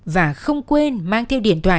và không quên mang theo điện thoại